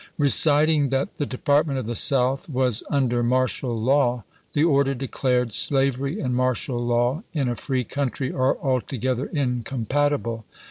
Reciting that the Department of the South was under martial law, the order declared, " Slav ery and martial law in a free country are altogether ^(Mer,' incompatible.